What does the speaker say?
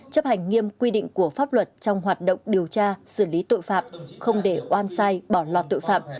chấp hành nghiêm quy định của pháp luật trong hoạt động điều tra xử lý tội phạm không để oan sai bỏ lọt tội phạm